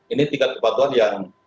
ini tiga kepatuan yang